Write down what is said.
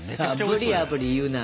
「あぶりあぶり」言うな！